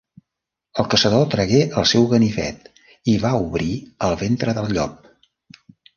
El caçador tragué el seu ganivet i va obrir el ventre del llop.